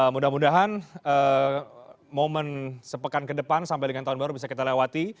mudah mudahan momen sepekan ke depan sampai dengan tahun baru bisa kita lewati